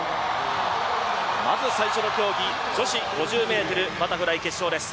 まず最初の競技、女子５０ｍバタフライ決勝です。